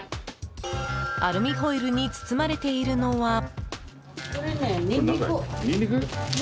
アルミホイルに包まれているのは。